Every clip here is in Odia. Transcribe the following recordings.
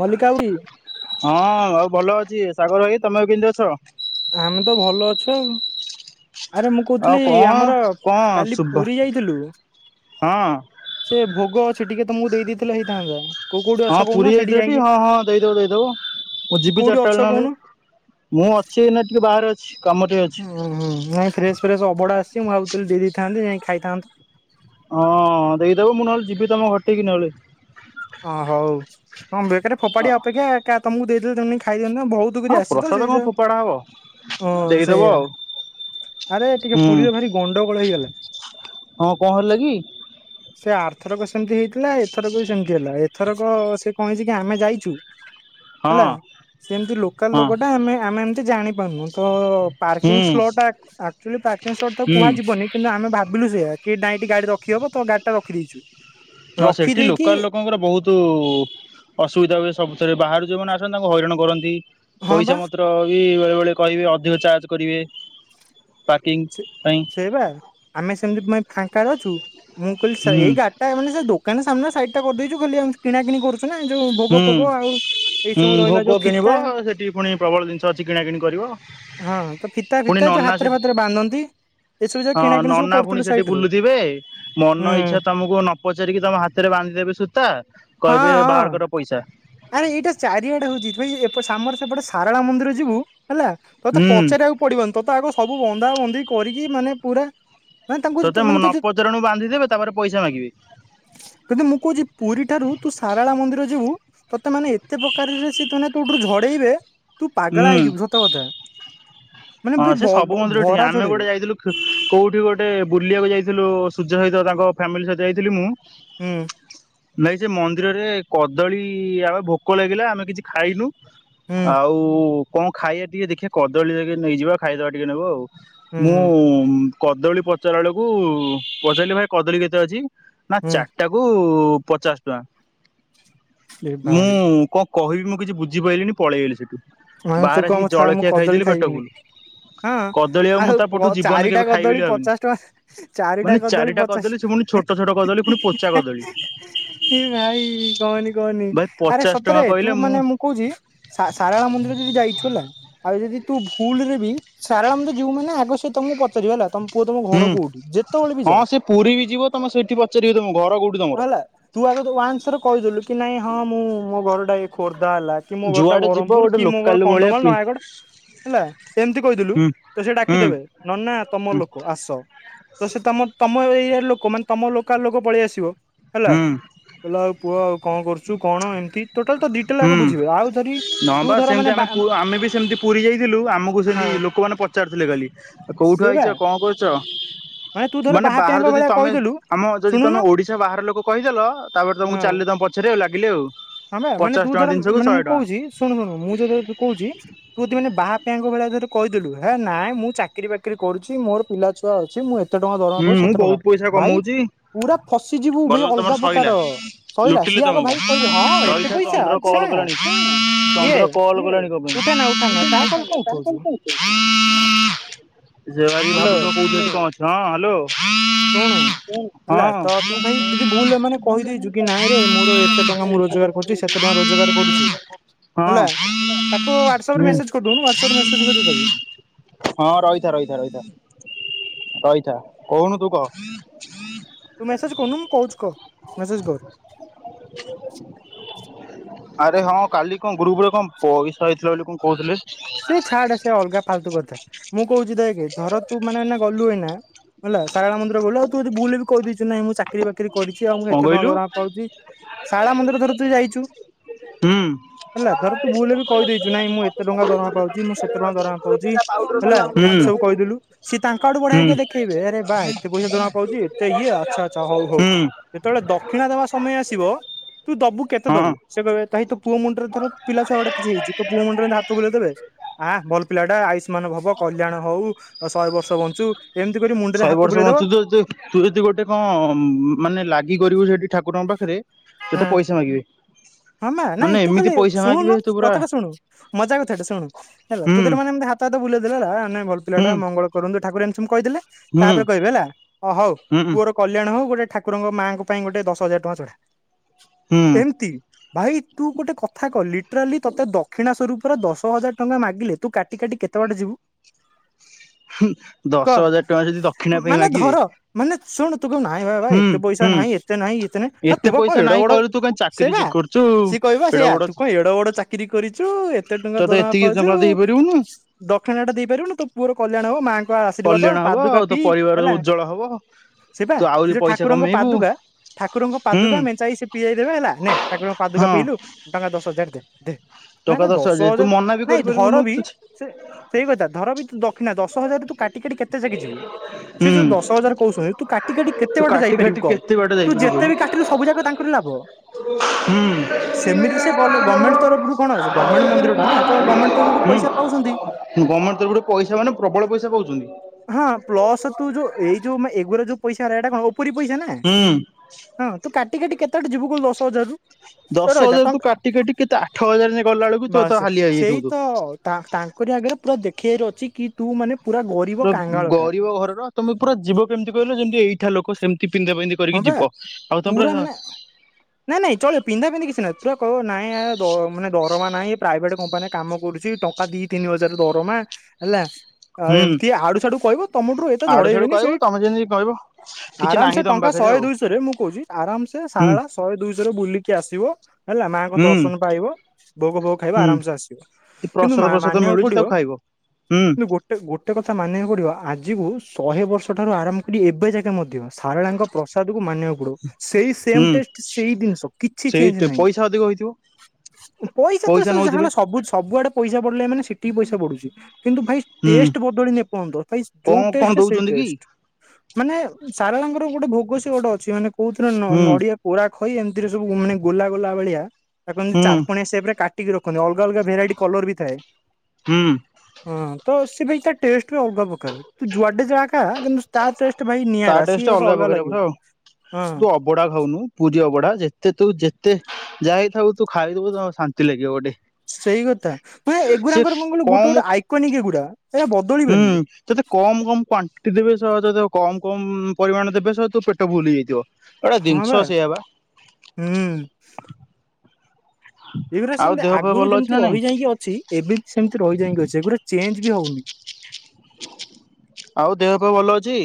ମଲ୍ଲିକା ବୁଇ ହଁ ଆଉ ଭଲ ଅଛି ସାଗର ଭାଇ ତମେ ବି କେମତି ଅଛ? ଆମେ ତ ଭଲ ଅଛୁ ଆଉ। ଆରେ ମୁଁ ଆଉ କହୁଥିଲି କଣ ଆମର କଣ କାଲି ଶୁଭ ପୁରୀ ଯାଇଥିଲୁ। ହଁ ସେ ଭୋଗ ସେଛି ଟିକେ ତ ମୁଁ ଦେଇ ଦେଇଥିଲେ ହେଇଥାନ୍ତା। କୋଉ କୋଉଠି ଅଛ ହଁ କହୁନ ପୁରୀ ସେଠି ଯାଇଥିଲେ ଯାଇକି ହଁ ହଁ ଦେଇଦବ ଦେଇଦବ ମୁଁ ଯିବି କୋଉଠି ଚାରିଟା ଅଛ ବେଳେ ନହେଲେ। କହୁନ? ମୁଁ ଅଛି ଏଇନା ଟିକେ ବାହାରେ ଅଛି କାମ ଟିକେ ଅଛି। ହୁଁ ହୁଁ ନାଇଁ ଫ୍ରେସ୍ ଫ୍ରେସ୍ ଅବଡା ଆସିଛି। ମୁଁ ଭାବୁଥିଲି ଦେଇ ଦେଇଥାନ୍ତି ନାଇଁ ଖାଇଥାନ୍ତା। ହଁ ଦେଇଦବୁ ମୁଁ ନହେଲେ ଯିବି ତମ ଘର ଟେଇକି ନହେଲେ। ଅ ହଉ କ ବେକରେ ଫୋପାଡି ଅପେକ୍ଷା କ ତମକୁ ଦେଇଦଲେ ତମେ ନେଇକି ଖାଇଦିଅନ୍ତ। ବହୁତ ଠୁକୁରି ହଁ ଆସି ତ ପ୍ରସାଦ ସେଇ କଣ ଯା ଫୋପାଡା ହବ ହଁ ଦେଇଦବ ସେଇଆ ଆଉ। ଆରେ ଟିକେ ହୁଁ ପୁରୀରେ ଭାରି ଗଣ୍ଡଗୋଳ ହେଇଗଲା। ହଁ କଣ ହେଲା କି? ସେ ଆର୍ଥରକ ସେମିତି ହେଇଥିଲା। ଏଥରକ ବି ସେମିତି। ଦିଆଲା ଏଥରକ ସେ କହିଛି କି ଆମେ ଯାଇଛୁ। ହଁ ହେଲା ସେମିତି ଲୋକାଲ ହଁ ଲୋକଟା ଆମେ ଆମେ ଏମିତି ଜାଣି ଭାନୁ ତ ହୁଁ ପାର୍କିଙ୍ଗ ସ୍ଲୋ ଟା ଆଚୁଆଲି ପାର୍କିଙ୍ଗ ସୋଟ ହୁଁ। କୁହାଯିବନି। କିନ୍ତୁ ଆମେ ଭାବିଲୁ ସେୟା କି ନାଇଁ ଏଇଠି ଗାଡି ରଖି ହବ ତ ଗାଡି ଟା ରଖିଦେଇଛୁ। ହଁ ସେଠି ରଖିଦେଇକି ଲୋକାଲ୍ ଲୋକଙ୍କର ବହୁତ। ଯୋଉ ଅସୁବିଧା ହୁଏ। ସବୁଥିରେ ବାହାରୁ ଯୋଉମାନେ ଆସନ୍ତି ତାଙ୍କୁ ହଇରାଣ କରନ୍ତି। ହଁ ବା ପଇସା ମତ୍ର ବି ବେଳେ ବେଳେ କହିବେ ଅଧିକ ଚାର୍ଜ କରିବେ। ପାର୍କିଂ ସେ ପାଇଁ ସେ ବା ଆମେ ସେମିତି ଫାଙ୍କାରେ ଅଛୁ ମୁଁ କହିଲି ହୁଁ ଏଇ ଗା ତା ମାନେ ସେ ଦୋକାନ ସାମ୍ନା ସାଇଟ୍ ଟା କରିଦେଇଛୁ ଖାଲି ଆମ କିଣା କିଣି କରୁଛୁ ନା ଯୋଉ ଭୋଗ ହୁଁ ଫୋଗ ଆଉ। ଏଇ ହୁଁ ସବୁ ରହିଲା ଭୋଗ ଯୋଉ ଫିତା କିଣିବ ସେଠି ପୁଣି ପ୍ରବଳ ଜିନିଷ ଅଛି କିଣା କିିଣି କରିବ। ହଁ ତ ଫିତା ପୁଣି ଫିତା ଯୋଉ ନନା ହାତରେ ସେଠି ଫାତରେ ବାନ୍ଧନ୍ତି। ଏସବୁ ଯାକ କିଣା ହଁ କିଣି ସବୁ ନନା ପୁଣି କରୁଥିଲୁ ସେଠି ସାଇଡ ରୁ ବୁଲୁଥିବେ। ହୁଁ ମନ ଇଚ୍ଛା ତମକୁ ନ ପଚାରିକି ତମ ହାତରେ ବାନ୍ଧିଦେବେ ସୂତା, ହଁ କହିବେ ହଁ। ବାହାର କର ପଇସା। ଆରେ ଏଇଟା ଚାରିଆଡେ ହଉଚି ଭାଇ ଏପ ଆମର ସେପଟେ ସାରଳା ମନ୍ଦିର ଯିବୁ ହେଲା, ତତେ ହୁଁ ପଚାରିଆକୁ ପଡିବନି ତତେ ଆଗ ସବୁ ବନ୍ଧା ବନ୍ଧି କରିକି ମାନେ ପୁରା ମାନେ ତାଙ୍କୁ ଯେତେ- ତୋତେ ମାନେ ତୁ ଯେ- ନପଚାରୁଣୁ ବାନ୍ଧିଦେବେ, ତାପରେ ପଇସା ମାଗିବେ। କିନ୍ତୁ ମୁଁ କହୁଚି ପୁରୀ ଠାରୁ ତୁ ଶାରାଳା ମନ୍ଦିର ଯିବୁ ତତେ ମାନେ ଏତେ ପ୍ରକାରରେ ସେ [unintelligible] ତୋଠରୁ ଝଡେଇବେ ତୁ ପାଗଳା ହୁଁ ହେଇଯିବୁ ସତ କଥା, ମାନେ ହଁ ଭାଇ ସେ ବ ସବୁ ମନ୍ଦିର ଠି ଆମେ ଗୋଟେ ଯାଇଥିଲୁ କୋଉଠି ଗୋଟେ ବୁଲିଆକୁ ଯାଇଥିଲୁ ସୂର୍ଯ୍ୟ ସହିତ ତାଙ୍କ ଫ୍ୟାମିଲି ସହିତ ଯାଇଥିଲି ମୁଁ ହୁଁ। ନାଇଁ ସେ ମନ୍ଦିରରେ କଦଳୀ ଆମ ଭୋକ ଲାଗିଲା ଆମେ କିଛି ଖାଇନୁ ହୁଁ ଆଉ କଁ ଖାଇଆ ଟିକେ ଦେଖିଆ କଦଳୀ [unintelligible] ନେଇଯିବା ଖାଇଦବା ଟିକେ ନାଗୁ ଆଉ। ହୁଁ ମୁଁ ହୁଁ କଦଳୀ ପଚାରିଲା ବେଳକୁ, ପଚାରିଲି ଭାଇ କଦଳୀ କେତେ ଅଛି? ନା ହୁଁ ଚାରିଟାକୁ ପଚାଶ ଟଙ୍କା, ଏ ଭାଇ ମୁଁ କଁ କିହିବି ମୁଁ କିଛି ବୁଝିପାଇଲିନି ପଳେଇ ଆଇଲି ସେଠୁ। ମାନେ ତୁ ବାହାରେ କଁ ଆମ ଆସିକି ଥାଉ ମୁଁ ଜଳଖିଆ କଦଳୀ ଖାଇଦେଲି ପେଟ ଖାଇବିନି। ଫୁଲ ହଁ କଦଳୀ ମୁଁ ତା ପଟୁ ଆଉ ଜୀବନରେ ଚାରିଟା କେବେ ଖାଇବି କଦଳୀ ବୋଲି ଭାବିନି। ପଚାଶ ଟଙ୍କା, ଚାରିଟା ମାନେ କଦଳୀ ପଚାଶ ସେ ପୁଣି ଛୋଟ ଛୋଟ କଦଳୀ ପୁଣି ପୋଚା ଟଙ୍କା। କଦଳୀ ଏ ଭାଇ କହନି କହନି। ଭାଇ ଆରେ ପଚାଶ ଟଙ୍କା ସତରେ ତୁ କହିଲେ ମାନେ ମୁଁ କହୁଚି ଶା-ଶାରଳା ମନ୍ଦିର ଯଦି ଯାଇଛୁ ହେଲା ଆଉ ଯଦି ତୁ ଭୁଲରେ ବି ଶାରଳା ମନ୍ଦିର ଯିବୁ ମାନେ ଆଗ ସେ ତମକୁ ପଚାରିବ ହେଲା ତମ ପୁଅ ତମ ହୁଁ ଘର କୋଉଠି? ଯେତେବେଳେ ବି ଯା ହଁ ସେ ପୁରୀ ବି ଯିବ ତମେ ସେଇଠି ପଚାରିବ ତମ ଘର କୋଉଠି ତମର ହେଲା। ତୁ ଆଗ ତ ୱାନ୍ସ ରେ କହିଦେଲୁ କି ନାଇଁ ହଁ ମୁଁ ମୋ ଘରଟା ଏଇ ଖୋର୍ଦ୍ଧା ହେଲା କି ମୋ ଘର ଟା ଯୁଆଡେ ଯିବ ବରହ୍ମପୁର କି ଗୋଟେ ମୋ ଘର ଲୋକାଲ ଭଳିଆ କନ୍ଧମାଳ, ପି ନୟାଗଡ଼ ହେଲା ଏମିତି କହିଦେଲୁ ହୁଁ ତ ସେ ହୁଁ ଡାକିଦେବେ ନନା ତମ ଲୋକ ଆ ଆସ ତ ସେ ତମ ତମ ଏରିଆର ଲୋକ ମାନେ ତମ ଲୋକାଲ ଲୋକ ପଳେଇ ଆସିବ ହେଲା। ହୁଁ ହେଲ ଆଉ ପୁଅ ଆଉ କଁ କରୁଚୁ କଣ ଏମିତି ଟୋଟାଲ ତୋ ଡିଟେଲ୍ ହୁଁ ଆଗ ବୁଝିବେ, ଆଉ ଥରି ହଁ ବା ସେମିତି ଆମେ ପୁ ଆମେ ବି ସେମିତି ପୁରୀ ଯାଇଥିଲୁ ଆମକୁ ହଁ ସେମିତି ଲୋକମାନେ ପଚାରୁଥିଲେ ଖାଲି। କୋଉଠୁ ଆଇଚ ସେଇବା କଁ କରୁଚ? ତୁ ଧର ମାନେ ବାହାରେ ବାହାପିଆଙ୍କ ଯଦି ଭଳିଆ ତମେ କହିଦେଲୁ ଆମ ଯଦି ତମେ ଶୁଣୁନୁ ଓଡିଶା ବାହାର ଲୋକ କହିଦେଲ ତାପରେ ତମକୁ ହଁ ଚାଲିଲେ ତମ ପଛରେ ଆଉ ଲାଗିଲେ ଆଉ। ହଁ ବା ମାନେ ପଚାଶ ତୁ ଟଙ୍କା ଧର ଜିନିଷକୁ ମାନେ ଶହେ ମୁଁ ଟଙ୍କା କହୁଚି ଶୁଣୁ ଶୁଣୁ ମୁଁ [unintelligible] କହୁଚି ତୁ ଯଦି ମାନେ ବାହାପିଆଙ୍କ ଭଳିଆ ଧର କହିଦେଲୁ ହେ ନାଇଁ ମୁଁ ଚାକିରି ବାକିରି କରୁଚି ମୋର ପିଲାଛୁଆ ଅଛି, ମୁଁ ଏତେ ଟଙ୍କା ଦରମା ହୁଁ ପାଉଛି ମୁଁ ସେତେ ଟଙ୍କା ବହୁତ ପଇସା ଭାଇ କମଉଚି ପୁରା ଫସିଯିବୁ ଭାଇ ଗଲ ତମର ଅଲଗା ପ୍ରକାର ସଇଲା ସଇଲା ଲୁଟିଲେ ସିଏ ଆଗ ତମକୁ। ଭାଇ କହିବେ ହଁ ଏତେ ରହିତା ପଇସା ଚନ୍ଦ୍ର କଲ୍ ଆଚ୍ଛା କଲାଣି କିଏ ଚନ୍ଦ୍ର କଲ୍ କଲାଣି କଁ ପାଇଁ। ଉଠାନା ଉଠାନା ତା କଲ୍ କଣ ଉଠଉଛୁ ଯେ ଭାବି ହ୍ୟାଲୋ ଭାବୁଥିବ କୋଉଠି ଅଛି କଁ ଅଛୁ ହଁ ହାଲୋ। ଶୁଣୁ ହେଲା ତ ହୁଁ ତୁ ଭାଇ ଯଦି ଭୁଲ ମାନେ କହିଦେଇଚୁ କି ନାଇଁରେ ମୋର ଏତେ ଟଙ୍କା ମୁଁ ରୋଜଗାର କରୁଚି, ସେ ତେ ଟଙ୍କା ରୋଜଗାର କରୁଚି। ହେଲା ତାକୁ ହ୍ୱାଟସପ ମେସେଜ କରିଦଉନୁ ହ୍ୱାଟସପରେ ମେସେଜ କରିଦେ ତାକୁ। ହଁ ରହିଥା-ରହିଥା-ରହିଥା-ରହିଥା। କହୁନୁ ତୁ କହ? ତୁ ମେସେଜ୍ କରୁନୁ ମୁଁ କହୁଚି କ ମେସେଜ କର। ଆରେ ହଁ କାଲି କଣ ଗ୍ରୁପରେ କଁ ପଇସା ହେଇଥିଲା ବୋଲି କଁ କହୁଥିଲେ। ସେ ଛାଡେ ସେ ଅଲଗା ଫାଲତୁ କଥା, ମୁଁ କହୁଚି ଦେଖେ, ଧର ତୁ ମାନେ ଗଲୁ ଏଇନା ହେଲା ଶାରଳା ମନ୍ଦିର ଗଲୁ ଆଉ ତୁ ଯଦି ଭୁଲରେ ବି କହିଦେଇଚୁ ନାଇଁ ମୁଁ ଚା କିରି ବାକିରି କରିଚି ଆଉ ମୁଁ କଣ ଏତେ ଟଙ୍କା କହିଲୁ ଦରମା ପାଉଚି, ଶାରଳା ମନ୍ଦିର ଧର ତୁ ଯାଇଚୁ ହୁଁ ହେଲା ଧର ତୁ ଭୁଲରେ ବି କହିଦେଇଚୁ, ନାଇଁ ମୁଁ ଏତେ ଟଙ୍କା ଦରମା ପାଉଚି ମୁଁ ସେତେ ଟଙ୍କା ଦରମା ପାଉଚି ହେଲା, ହୁଁ ଏମିତି ସବୁ କହିଦେଲୁ। ସିଏ ତାଙ୍କ ଆଡୁ ହୁଁ ବଢ଼ିଆକି ଦେଖେଇବେ। ଆରେ ବା ଏତେ ପଇସା ଦରମା ପାଉଛି ଏତେ ଇଏ ଆଚ୍ଛା ଆଚ୍ଛା ହଉ ହଉ। ହୁଁ। ଯେତେବେଳେ ଦକ୍ଷିଣା ଦେବା ସମୟ ଆସିବ ତୁ ଦବୁ କେତେ ହଁ ଦବୁ? ସେ କହିବେ ଭାଇ ତୋ ପୁଅ ମୁଣ୍ଡ ରେ ଧର ପିଲ ଛୁଆ ଗୋଟେ କିଛି ହେଇଛି ତୋ ପୁଅମୁଣ୍ଡରେ ହାତ ବୁଲେଇ ଦେବେ ଆଁ ଭଲ ପିଲା ଟା ଆୟୁଷ୍ମାନ ଭବ କଲ୍ୟାଣ ହଉ ଶହେ ବର୍ଷ ବଞ୍ଚୁ ଏମିତି କରି ମୁଣ୍ଡ ରେ ଶହେ ହାତ ବର୍ଷ ବଞ୍ଚୁଛୁ ବୁଲେଇଦବ ତୁ ତୁ ଯଦି ଗୋଟେ କଣ ମାନେ ଲାଗି କରିବୁ ସେଠି ଠାକୁରଙ୍କ ପାଖରେ ତତେ ପଇସା ମାଗିବେ। ହଁ ମା ମାନେ ନାଇଁ ତୁ ଏମିତି ଖାଲି ପଇସା ମାଗିବେ ଶୁଣୁ ତୁ ପୁରା କଥାଟା ଶୁଣୁ ମଜା କଥାଟା ଶୁଣୁ ହେଲା ହୁଁ ତୁ ଜଦୀ ମାନେ ଏମିତି ହାତ ଫାତ ବୁଲେଇ ଦବୁ ହେଲା, ମାନେ ଭଲ ହୁଁ ପିଲାଟା ମଙ୍ଗଳ କରନ୍ତୁ ଠାକୁର ଏମିତି କହିଦେଲେ। ହୁଁ ତାପରେ କହିବେ ହେଲା ଓ ହଉ ହୁଁ ପୁଅର କଲ୍ୟାଣ ହୋଉ ଗୋଟେ ଠାକୁରଙ୍କ ମାଙ୍କ ପାଇଁ ଗୋଟେ ଦଶ ହଜାର ଟଙ୍କା ଚଢା। ହୁଁ ଏମିତି ଭାଇ ତୁ ଗୋଟେ କଥା କହ ଲିଟ୍ରାରାଲି ତୋତେ ଦକ୍ଷିଣ ସ୍ୱରୂ ପୁରା ଦଶ ହଜାର ଟଙ୍କା ମାଗିଲେ ତୁ କାଟି କାଟି କେତେ ବାଟେ ଯିବୁ? ହୁଁ କହ? ଦଶ ହଜାର ଟଙ୍କା ଯଦି ଦକ୍ଷିଣା ପାଇଁ ମାନେ ମାଗିବେ ଧର ମାନେ ଶୁଣୁ ତୁ କହିବୁ ନାଇଁ ଭାଇ ଭାଇ -ହୁଁ ଏତେ ପଇସା ହୁଁ। ନାହିଁ ଏତେ ନାହିଁ ଏତେ ନାହିଁ ନା ତୁ ଏତେ ବା କଣ ପଇସା ଏଡ ନାହିଁ ବଡ କହିଲୁ, ତୁ କାହିଁ ସେଇ ଚାକିରି ବା କ ସିଏ କହିବା ସେଇଆ। ତୁ କଣ ଏଡ ବଡ ଚାକିରି କରିଛୁ, ଏତେ ଟଙ୍କା ତତେ ଦରମା ଏତିକି ପାଉଛୁ ଟଙ୍କା ଦେଇପାରିବୁନୁ ଦକ୍ଷିଣାଟା ଦେଇପାରିବୁ ନୁ? ତୋ ପୁଅ ର କଲ୍ୟାଣ ହବ। ମାଙ୍କ ଙ୍କ, ଆଶୀର୍ବାଦ, କଲ୍ୟାଣ ହବ ପାଦୁକା ଆଉ ତୋ ପିଇ, ପରିବାର ହେଲା ଉଜ୍ଜଳ ହବ ସେ ବା ତୁ ସେ ଆହୁରି ଯୋଉ ପଇସା ଠାକୁରଙ୍କ କମେଇବୁ ପାଦୁକା ଠାକୁରଙ୍କ ହୁଁ ପାଦୁକା ମେଞ୍ଚାଇ ସେ ପିଆଇ ଦେବେ ହେଲା ନେ ଠାକୁରଙ୍କ ପାଦୁକା ହଁ ପିଇଲୁ ଟଙ୍କା ଦଶ ହଜାର ଦେ ଦେ। ଟଙ୍କା ନାନା ଦଶ ତୁ ହଜାର, ମନା ବି ନାଇଁ ଧର କରିପାରିବୁନୁ ବିି, ସେ ସେଇ କଥା ଧର ବି ତୁ ଦକ୍ଷିଣା ଦଶ ହଜାର ତୁ କାଟି କାଟି କେତେ ଯାକେ ଯିବୁ? ସେ ଯୋଉ ହୁଁ ଦଶ ହଜାର କହୁଛନ୍ତି ତୁ କାଟି କାଟି କେତେ ତୁ ବାଟ କାଟି ଯାଇପାରିବୁ କାଟି କହ? କେତେ ବାଟ ତୁ ଯାଇପାରିବୁ ଯେତେ କହିଲୁ? ବି କାଟିଲୁ ସବୁ ଯାକ ତାଙ୍କର ଲାଭ। ହୁଁ। ସେମିତି ସେ ଗଲ-ଗର୍ମେଣ୍ଟ ତରଫରୁ କଣ ଅଛି। ଗର୍ମେଣ୍ଟ ମନ୍ଦିର ଟା ନା ତ ଗର୍ମେଣ୍ଟ ତରଫରୁ ପଇସା ପାଉଛନ୍ତି। ଗର୍ମେଣ୍ଟ ତରଫରୁ ପଇସା ମାନେ ପର୍ବଳ ପଇସା ପାଉଛନ୍ତି। ହଁ ପ୍ଲସ୍ ତୁ ଯୋଉ ଏଇ ଯୋଉ ଏଗୁରା ଯୋଉ ପଇସା, ଏଇଟା କଣ ଉପରି ପଇସା ନା। ହୁଁ ହଁ ତୁ କାଟି କାଟି କେତେ ବାଟ ଯିବୁ କହିଲୁ ଦଶ ହଜାରରୁ? ତ ଦଶ ରହିଥା ହଜାର ତୁ ଟଙ୍କା କାଟି କାଟି କେତେ ତୁ ଆଠ ହାଜର ଗଲା ବେଳକୁ ତୁ ହାଲିଆ ହେଇ ଯାଇଥିବୁ। ତା-ତାଙ୍କରି ଆଗରେ ପୁରା ଦେଖେଇାର ଅଛି କି ତୁ ମାନେ ପୁରା ଗ ଗରିବ ଘରର, ତମେ ପୁରା ଯିବ କେମିତି କହିଲ, ଯେମିତି ଏଇଠା ଲୋକ ସେମିତି ପିନ୍ଧା ପିଁନ୍ଧୀ ହଁ କରିକି ବା ଯିବ। ଆଉ ତମେ ପୁରା ପରା [inaudible] ନାଇଁ ନାଇଁ ଚଳିବ ପିନ୍ଧା ପିନ୍ଧି କିଛି। ନାହିଁ ପୁରା କହିବ ନାଇଁ ଆଜ୍ଞା ଦ ମାନେ ଦରମା ନାହିଁ, ପ୍ରାଇଭେଟ୍ କମ୍ପାନୀରେ କାମ କରୁଚି ଟ ଙ୍କା ଦି ତିନି ହଜାରେ ଦରମା, ହେଲା ଆଉ ହୁଁ ଏମତି ଆଡୁ ସଡୁ କହିବ। ତମଠୁରୁ ଏତେ ଆଡୁ ସାଡୁ ଝଡେଇବେନି କହିବ ସେଇ ତମେ ଯେମିତି କହିବ କିଛି ଆରାମ ସେ ନାହିଁ ତମ ଟଙ୍କା ପାଖରେ ଶହେ ଆଉ। ଦୁଇଶହରେ ମୁଁ କହୁଚି, ଆରାମ ସେ ହୁଁ ସାରଳା ଶହେ ଦୁଇଶହରେ ବୁଲିକି ଆସିବ ହେଲା। ମାଆଙ୍କ ହୁଁ ଦର୍ଶନ ପାଇବ। ଭୋଗ ଫୋଗ ଖାଇବ ଆରାମ ସେ ଆସିବ। ସେଠି କିନ୍ତୁ ମା ପ୍ରସାଦ ପ୍ରସାଦ ମିଳୁଚି ତାକୁ ଖାଇବ। ହୁଁ। ଟେ ଗୋଟେ କଥା ମାନିବାକୁ ପଡିବ, ଆଜିକୁ ଶହେ ବର୍ଷ ଠାରୁ ଆରମ୍ଭ କରି ଏବେ ଯାକେ ମଧ୍ୟ ସାରଳାଙ୍କ ପ୍ରସାଦକୁ ମାନିବାକୁ ପଡିବ। ସେଇ ସେମ୍ ଟେଷ୍ଟ୍ ସେଇ ଦିନିଷ କିଛି ଚେଞ୍ଜ ଟିକେ ନାହିଁ ପଇସା ଅଧିକ ହୋଇଥିବ। ପଇସା ତ ସେ ଯାହା ହେଲା ସବୁ ସବୁଆଡେ ପଇସା ପଡିଲେ ମାନେ ସେଠିବି ପଇସା ପଡୁଚି। କିନ୍ତୁ ଭାଇ ହୁଁ। ଟେଷ୍ଟ୍ ବଦଳିନି ଏପର୍ଯ୍ୟନ୍ତ। ଭାଇ ଯୋଉ କଣ କଣ ଟେଷ୍ଟ୍ ସେଇ ଦଉଛନ୍ତି କି? ଟେଷ୍ଟ୍। ମାନେ ସାରଳାଙ୍କର ଗୋଟେ ଭୋଗ ସେ ଗୋଟେ ଅଛି ମାନେ, କଉଥିରେ ନ ହୁଁ ନଡ଼ିଆ ପୋଡା ଖଇ ଏମତିରେ ସବୁ ମାନେ ଗୋଲା ଗୋଲା ଭଳିଆ ତାକୁ ହୁଁ। ଚାରକଣିଆ ସେପ୍ ରେ କା ଟିକେ ରଖନ୍ତି। ଅଲଗା ଅଲଗା ଭେରାଇଟି କଲର ବି ଥାଏ। ହୁଁ। ହଁ ତ ସେ ଭାଇ ତା ଟେଷ୍ଟ ଅଲଗା ପ୍ରକାରର ତୁ ଯୁଆଡେ ଯାହା ଖା କିନ୍ତୁ ତା ଟେଷ୍ଟ ଭାଇ ନିଆରା। ସିଏ ସେ ଗୋଟେ ଅଲଗା ପ୍ରକାରିଆ ଲାଗିବ ପୁରା ଆଉ ହଁ ତୁ ଅବଢ଼ା ଖାଉନୁ ପୁରୀ ଅବଢ଼ା ଯେତେ ତୁ ଯେତେ। ଯାଇଥବୁ ତୁ ଖାଇଦବୁ ତ ଶାନ୍ତି ଲାଗିବ ଗୋଟେ। ସେଇକଥା ତୁ ସେ ଏଗୁଡାଙ୍କର କଣ କହିଲୁ ଗୋଟେ କମ ଗୋଟେ ଆଇକନିକ୍ ଏଗୁରା ଏ ବଦଳିବେନି। କେତେ କମ୍ କମ୍ କ୍ଵାଣ୍ଟିଟି ଦେବେ ସହଜେ କମ୍ କମ୍ ପରିମାଣ ଦେବେ ସଳା ତୋ ପେଟ ଫୁଲ୍ ହେଇଯାଇଥିବ। ଏଟା ହଁ ଜିନିଷ ବା ସେଇଆ ଉଁ। ଏଇଗୁରା ଆଉ ସେମତି ଦେହ ଫେହ ଆଗୁରୁ ଭଲ ଅଛି ଯେମିତି ନା ନାଇଁ ରହିଯାଇକି ଅଛି ଏବେ ବି ସେମତି ରହିଯାଇଁକି ଅଛି ସେଗୁରା ଚେଞ୍ଜ ବି ହଉନି। ଆଉ ଦେହ ପାଆ ଭଲ ଅଛି।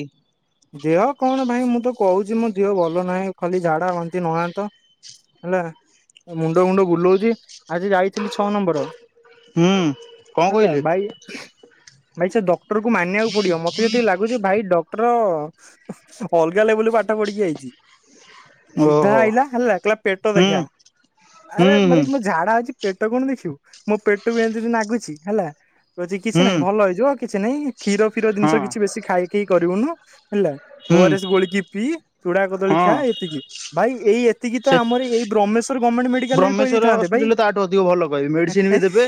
ଦେହ କଣ ଭାଇ ମୁଁ ତ କହୁଚି ମୋ ଦେହ ଭଲ ନାହିଁ ଖାଲି ଝାଡା ବାନ୍ତି ନୟାନ୍ତ। ହେଲା ଏ ମୁଣ୍ଡ ଫୁଣ୍ଡ ବୁଲଉଚି। ଆଜି ଯାଇଥିଲି ଛଅ ନମ୍ବର ହୁଁ କଣ ହେଲା କହିଲେ ବାଇକ୍। ଭାଇ ସେ ଡକ୍ଟରକୁ ମାନିବାକୁ ପଡିବ ମତେ ଯେତିକି ଲାଗୁଚି ଭାଇ ଡ଼କ୍ଟର। ଅଲଗା ଲେବୁଲରେ ପାଠ ପଢିକି ଆଇଚି। ସିଧା ଓହୋ ଆଇଲା ହେଲା କହିଲା ପେଟ ହୁଁ ଦେଖା ହୁଁ ଆରେ ହୁଁ ମାନେ ମତେ ଝାଡା ହେଇଛି। ପେଟ କଣ ଦେଖିବୁ ମୋ ପେଟକୁ ଏମିତି ନାଗୁଛି ହେଲା କହୁଛି କିଛି ହୁଁ ନାଇଁ ଭଲ ହେଇଯିବ। କିଛି ନାଇଁ କ୍ଷୀର ଫିର ହଁ ଜିନିଷ କିଛି ବେଶୀ ଖାଇ ଖେଇ କରିବୁନୁ। ହେଲା ଓ ହୁଁ ଆର ଏସ୍ ଗୋଳେଇକି ପିଇ ଚୁଡା କଦଳୀ ହଁ ଖା ଏତିକି। ଭାଇ ଏଇ ଏତିକି ତ ସେ ଆମରି ଏଇ ବ୍ରହ୍ମେଶ୍ୱର ଗମେଣ୍ଟ୍ ମେ। ମେଡ଼ିକାଲ ରେ ବି ବ୍ରହ୍ମେଶ୍ଵର କହିଦେଇଥାନ୍ତେ ଭାଇ ହସ୍ପିଟାଲରେ ତାଠୁ ଅଧିକ ଭଲ କହିବେ ଏଁ ମେଡିସିନ ବି ଏଁ ଦେବେ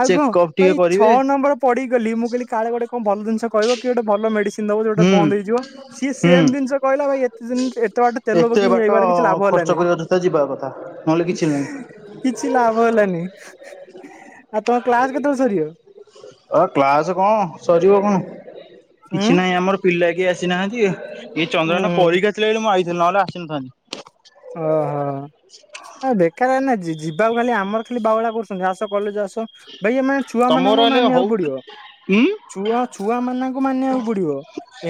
ଆଉ କଣ ଚେକଅପ୍ ଭାଇ ଟିକେ ଛଅ କରିବେ ନମ୍ବର। ପଡିଗଲି ମୁଁ କହିଲି କାଳେ ଗୋଟେ କଣ ଭଲ ଜିନିଷ କହିବ କି ଗୋଟେ ଭଲ ମେଡ଼ିସିନ୍ ଦବ। ସେଗୋଟେ ହୁଁ ବନ୍ଦ ହେଇଯିବ ସିଏ ହୁଁ ସେମ୍ ଜିନିଷ କହିଲା ଭାଇ ଏତେ ଦିନ ଏତେ ବାଟ ତେଲ ପକେଇକି ଆଇବାରେ କିଛି ଲାଭ ହେଲାନି। ସପରିବାର ସହିତ ଯିବା କଥା ନହେଲେ କିଛି ନାହିଁ। କିଛି ଲାଭ ହେଲାନି ଆଉ ତମ କ୍ଲାସ୍ କେତେବେଳେ ସରିବ। ଅ କ୍ଲାସ କଣ ସରିବ କଣ ଉଁ କିଛି ନାଇଁ ଆମର। ପିଲା କିଏ ଆସିନାହାନ୍ତି ଏ ଏ ଉଁ ଚନ୍ଦନର ହୁଁ ପରୀକ୍ଷା ଥିଲାବୋଲି ମୁଁ ଆଇଥିଲି ନହେଲେ ଆସିନଥାନ୍ତି। ଓହୋ। ଆ ବେକାରେ ନା ଯି ଯିବାକୁ ଖାଲି ଆମର ଖାଲି ବାଉଳା କରୁଛନ୍ତି ଆସ କଲେଜ୍ ଆସ ଭାଇ ଏମାନେ। ଛୁଆ ତମର ମାନଙ୍କୁ ହେଲେ ହଉ ମାନିବାକୁ ପଡିବ। ଉଁ ଛୁଆ ଛୁଆ ମାନଙ୍କୁ ମାନିବାକୁ ପଡିବ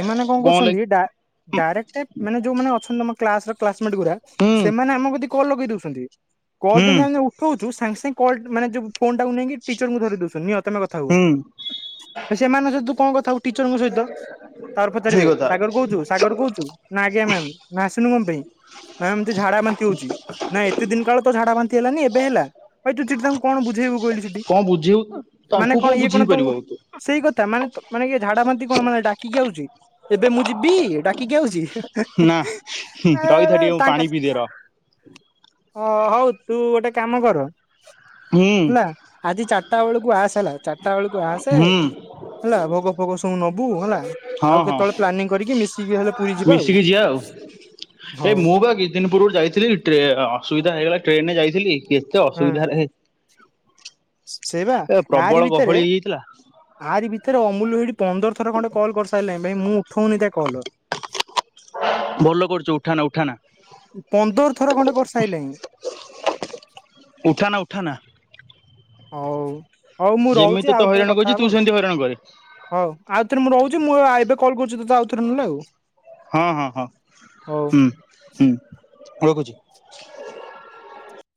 ଏମାନେ କଣ କରୁଛନ୍ତି ଡା। ଡାଇରେକ୍ଟ ମାନେ ଯୋଉମାନେ ଅଛନ୍ତି ଆମ କ୍ଲାସ୍ ର କ୍ଲାସ୍ ମେଟ୍ ଗୁରା ହୁଁ ସେମାନେ ଆମକୁ ଯଦି କଲ୍ ଲଗେଇ ଦଉଛନ୍ତି। କଲ୍ ହୁଁ ଯଦି ଆମେ ଉଠଉଛୁ ସାଙ୍ଗେ ସାଙ୍ଗେ କଲ୍ ମାନେ ଯୋଉ ଫୋନ୍ ଟାକୁ ନେଇକି ଟିଚରକୁୁ ଧରେଇ ଦଉଛନ୍ତି ନିଅ ତମେ କଥା ହୁଅ। ହୁଁ ସେମାନଙ୍କ ସହିତ ତୁ କଣ କଥା ହବୁ ଟିଚରଙ୍କ ସହିତ ତାପରେ ସେଇ ପଚାରିବେ କଥା ସାଗର କହୁଛୁ। ସାଗର କହୁଛୁ ନା ଆଜ୍ଞା ମ୍ୟାାମ ନା ଆସୁନୁ କଣ ପାଇଁ। ନାଇଁ ଏମତି ଝାଡା ବାନ୍ତି ହଉଛି ନାଇଁ ଏତେ ଦିନ କାଳ ତୋ ଝାଡା ବାନ୍ତି ହେଲାନି ଏବେ ହେଲା ଭାଇ ତୁ ଚିନ୍ତା। କଣ ବୁଝେଇବୁ କହିଲୁ ସେଠି କଣ ବୁଝେଇବୁ ତାଙ୍କୁ ମାନେ କଣ ଇଏ ବୁଝେଇ କଣ ପାରିବୁ ତମ। ଆଉ ତୁ ସେଇ କଥା ମାନେ ମାନେ କି ଝାଡାବାନ୍ତି କଣ ମାନେ ଡାକିକି ଆଉଛି ଏବେ ମୁଁ ଯିବି ଡା। କି କି ଆଉଛି ହା ନା ହା ହା ରହିଥା ଆଁ ଟିକେ ଆଁ। ମୁଁ ହଁ ପାଣି ପିଇଦିଏ ରହ ହଉ ତୁ ଗୋଟେ କାମ କର। ହୁଁ ହେଲା ଆଜି ଚାରିଟା ବେଳକୁ ଆସ ହେଲା ଚାରିଟା ବେଳକୁ ଆସେ ହୁଁ ହେଲା ଭୋଗ। ଭୋଗ ସବୁ ନବୁ ହେଲା ହଁ ଆଉ ହଁ କେତେବେଳେ ପ୍ଲାନିଂ କରିକି ମିଶିକି ହେଲେ ପୁରୀ ଯିବା ଆଉ। ଏ ହଉ ମୁଁ ବା କିଛି ଦିନ ପୂର୍ବରୁ ଯାଇଥିଲି ଟ୍ରେ ଅସୁବିଧା ହେଇଗଲା ଟ୍ରେନରେ ଯାଇଥିଲି। ଏତେ ହଁ ଅସୁବିଧାରେ ସେଇ ବା ଏ ଆରି ପ୍ରବଳ ଭିତରେ ଗହଳି ହେଇଯାଇଥିଲା। ଆରି ଭିତରେ ଅମୁଲ୍ୟ ଭାଇ ପନ୍ଦର ଥର ଖଣ୍ଡେ କଲ୍ କରିସାରିଲାଣି ଭାଇ ମୁଁ ଉଠଉନି ତା କଲ୍। ଭଲ କରୁଛୁ ଉଠାନା ଉଠାନା। ପନ୍ଦର ଥର ଖଣ୍ଡେ କରିସାରିଲାଣି। ଉଠାନା ଉଠାନା। ହଉ ହଉ ମୁଁ ରହୁଛି ଯେମିତି ତତେ ଆଉଥରେ ହଇରାଣ କରୁଛି କଥା ତୁ ହବା ଆଉ। ସେମିତି ହଇରାଣ କରେ ହଉ ଆଉ ଥରେ ମୁଁ ରହୁଛି ମୁଁ ଏବେ କଲ୍ କରୁଛି ତୋତେ ଆଉ ଥରେ ନହେଲେ ଆଉ। ହଁ ହଁ ହଁ ହଉ। ହୁଁ ହୁଁ ରଖୁଛି।